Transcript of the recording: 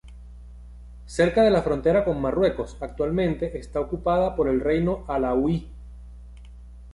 Cerca de la frontera con Marruecos, actualmente está ocupada por reino alauí.